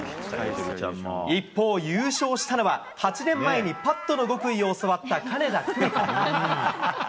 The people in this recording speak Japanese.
一方、優勝したのは、８年前にパットの極意を教わった金田久美子。